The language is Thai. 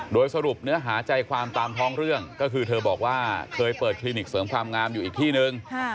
โดยสรุปเนื้อหาใจความตามท้องเรื่องก็คือเธอบอกว่าเคยเปิดคลินิกเสริมความงามอยู่อีกที่นึง